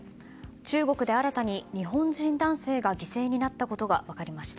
中国で新たに日本人男性が犠牲になったことが分かりました。